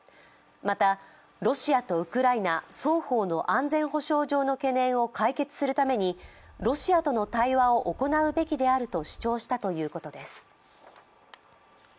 またロシアとウクライナ双方の安全保障上の懸念を解決するためにロシアとの対話を行うべきであると主張したということです。